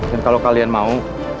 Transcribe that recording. dan kalau kalian mau